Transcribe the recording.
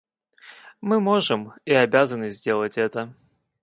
Мы можем и обязаны сделать это.